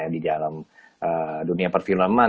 di dalam dunia perfilman